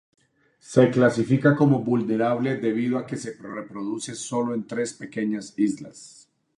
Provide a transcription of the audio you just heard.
Se clasifica como vulnerable debido a que se reproduce sólo en tres pequeñas islas.